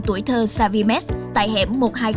tuổi thơ savimes tại hẻm một nghìn hai trăm linh năm